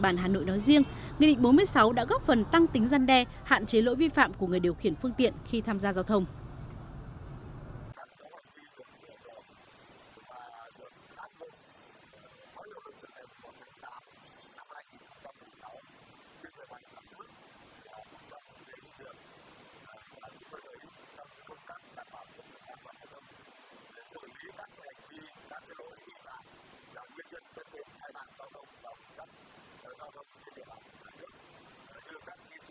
nghị định bốn mươi chín đã góp phần tăng tính gian đe hạn chế lỗi vi phạm của người điều khiển phương tiện khi tham gia giao thông